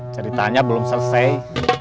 ceritanya belum selesai